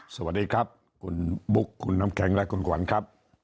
สวัสดีครับคุณบุ๊คคุณน้ำแข็งและคุณขวัญครับ